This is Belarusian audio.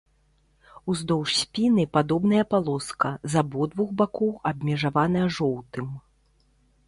Уздоўж спіны падобная палоска, з абодвух бакоў абмежаваная жоўтым.